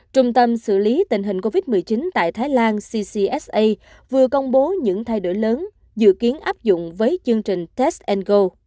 trung tâm xử lý tình hình covid một mươi chín tại thái lan ccsa vừa công bố những thay đổi lớn dự kiến áp dụng với chương trình covid một mươi chín